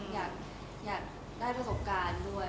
อยากได้ประสบการณ์ด้วย